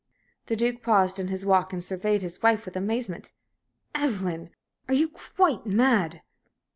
The Duke paused in his walk and surveyed his wife with amazement. "Evelyn, are you quite mad?"